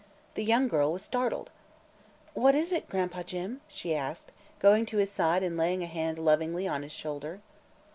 The young girl was startled. "What is it, Gran'pa Jim?" she asked, going to his side and laying a hand lovingly on his shoulder.